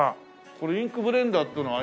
これインクブレンダーっていうのは要するに。